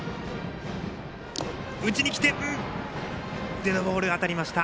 デッドボール当たりました。